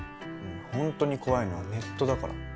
ほんとに怖いのはネットだから。